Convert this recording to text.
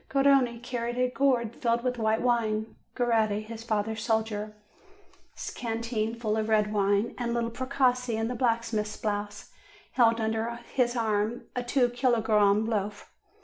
Garrone carried a gourd filled with white wine; Coretti, his father's soldier 320 JUNE canteen, full of red wine; and little Precossi, in the blacksmith's blouse, held under his arm a two kilo gramme loaf.